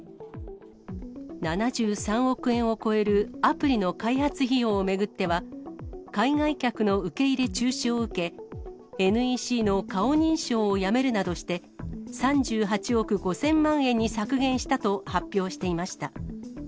７３億円を超えるアプリの開発費用を巡っては、海外客の受け入れ中止を受け、ＮＥＣの顔認証をやめるなどして、３８億５０００万円に削減したと発表していました。